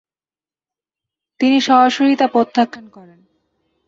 তিনি সরাসরি তা প্রত্যাখ্যান করেন।